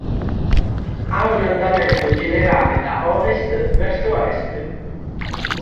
Ha una andamento generale da ovest verso est.